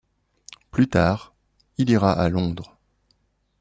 Plus tard, il ira à Londres.